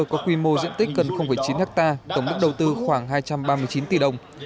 có quy mô diện tích cần chín ha tổng bức đầu tư khoảng hai trăm ba mươi chín tỷ đồng